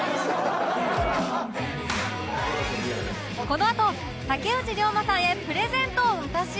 このあと竹内涼真さんへプレゼントを渡し